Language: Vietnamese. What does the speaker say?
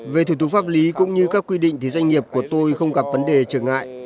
về thủ tục pháp lý cũng như các quy định thì doanh nghiệp của tôi không gặp vấn đề trở ngại